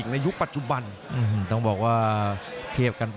ในยุคปัจจุบัน